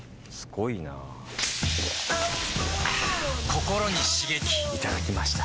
ココロに刺激いただきました。